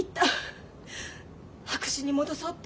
白紙に戻そうって。